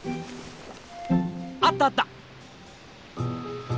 あったあった！